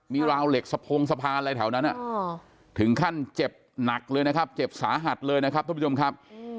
มีราวเหล็กสะพงสะพานอะไรแถวนั้นถึงขั้นเจ็บหนักเลยนะครับเจ็บสาหัสเลยนะครับทุกผู้ชมครับ